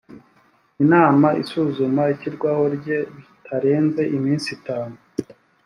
inama isuzuma ishyirwaho rye bitarenze iminsi itanu